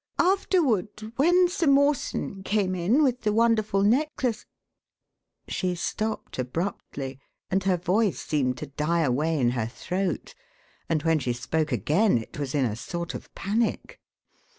Afterward, when Sir Mawson came in with the wonderful necklace " She stopped abruptly, and her voice seemed to die away in her throat; and when she spoke again it was in a sort of panic.